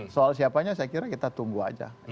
soal siapanya saya kira kita tunggu aja